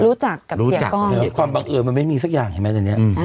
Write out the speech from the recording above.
รู้จักกับเสียก้อนความบังเอิญมันไม่มีสักอย่างเห็นไหมตอนนี้